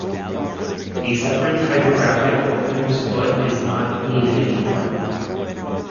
A separate typographic or printer's foot is not needed anymore.